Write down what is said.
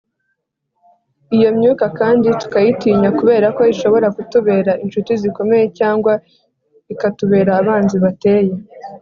Iyo myuka kandi tukayitinya kubera ko ishobora kutubera incuti zikomeye cyangwa ikatubera abanzi bateye